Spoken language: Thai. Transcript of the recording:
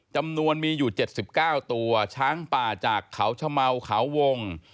จำนวนมีอยู่๗๙ตัวช้างป่าจากเขาชะเมาเขาวง